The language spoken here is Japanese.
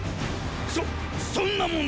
そそんなもの。